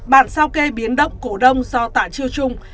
bản sao kê biến động cổ đông do tạ triêu chung